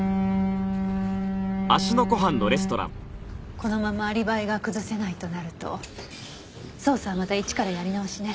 このままアリバイが崩せないとなると捜査はまた一からやり直しね。